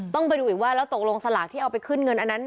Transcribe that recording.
ต้องไปดูอีกว่าแล้วตกลงสลากที่เอาไปขึ้นเงินอันนั้น